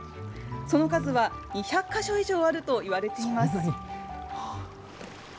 その数は２００か所以上あるといわれています。